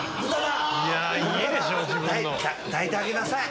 抱いてあげなさい。